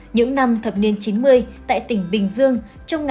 những năm thập niên chín mươi tại tỉnh bình dương